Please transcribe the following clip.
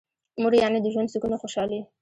مور یعنی د ژوند سکون او خوشحالي.